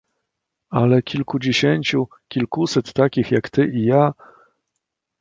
"Ale kilkudziesięciu, kilkuset takich, jak ty i ja..."